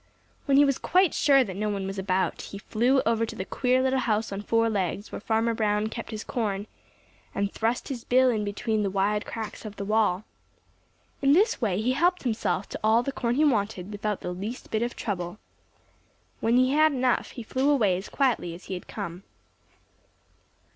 When he was quite sure that no one was about, he flew over to the queer little house on four legs, where Farmer Brown kept his corn, and thrust his bill in between the wide cracks of the wall. In this way he helped himself to all the corn he wanted without the least bit of trouble. When he had enough, he flew away as quietly as he had come.